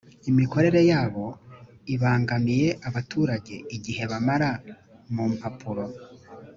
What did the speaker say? imikorere yabo ibangamiye abaturage igihe bamara mu mpapuroooo